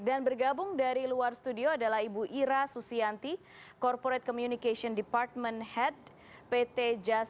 dan bergabung dari luar studio adalah ibu ira susianti corporate communication department head pt jasa